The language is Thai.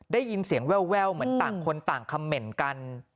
ได้ยินเสียงแววเหมือนต่างคนต่างคำเหม็นกัน